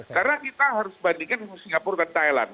karena kita harus bandingkan singapura dan thailand